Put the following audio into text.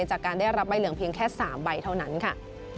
จากการได้รับใบเหลืองเพียงแค่๓ใบเท่านั้นค่ะ